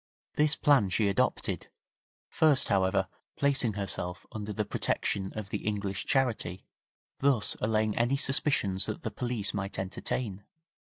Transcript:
This plan she adopted, first, however, placing herself under the protection of the English charity, thus allaying any suspicions that the police might entertain.